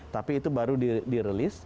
tapi itu baru di release